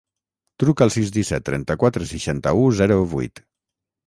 Truca al sis, disset, trenta-quatre, seixanta-u, zero, vuit.